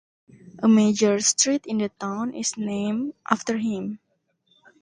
A major street in the town is named after him.